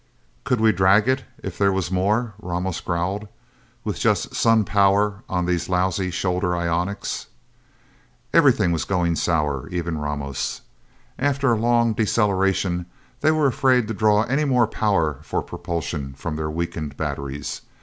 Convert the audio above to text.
"Could we drag it, if there was more?" Ramos growled. "With just sun power on these lousy shoulder ionics?" Everything was going sour, even Ramos. After a long deceleration they were afraid to draw any more power for propulsion from their weakened batteries.